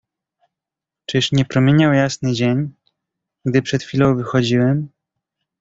"Czyż nie promieniał jasny dzień, gdy przed chwilą wychodziłem?"